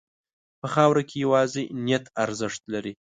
په خاوره کې یوازې نیت ارزښت لري.